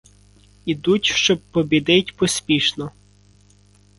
Ідуть, щоб побідить поспішно